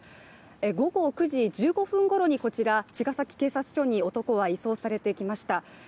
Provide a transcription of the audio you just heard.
午後９時１５分ごろに、こちら、茅ヶ崎警察署に男は移送されてきました。